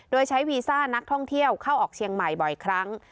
โดยใช้วีซ่านักท่องเที่ยวเข้าออกเชียงใหม่บ่อยครั้ง